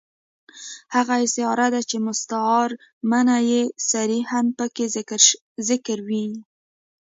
هغه استعاره ده، چي مستعار منه صریحاً پکښي ذکر ىوى يي.